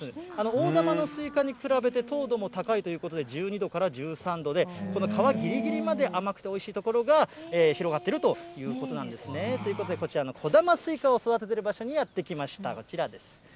大玉のスイカに比べて糖度も高いということで、１２度から１３度で、この皮ぎりぎりまで甘くておいしい所が広がってるということなんですね。ということで、こちらのこだまスイカを育ててる場所にやって来ました、こちらです。